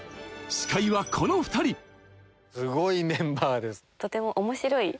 司会はこの２人すごいメンバーです。